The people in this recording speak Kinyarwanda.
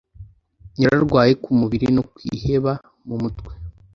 yararwaye ku mubiri no kwiheba mu mutwe